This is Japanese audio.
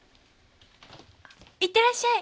いってらっしゃい！